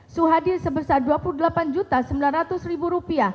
suhadir sebesar rp dua puluh delapan sembilan ratus